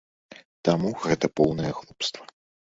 Таму гэта поўнае глупства.